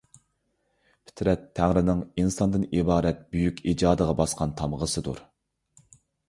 پىترەت تەڭرىنىڭ ئىنساندىن ئىبارەت بۈيۈك ئىجادىغا باسقان تامغىسىدۇر.